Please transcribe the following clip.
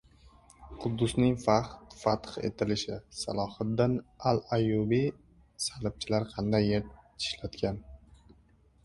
Quddusning fath etilishi. Salohiddin al-Ayyubiy salibchilarni qanday “yer tishlatgan”?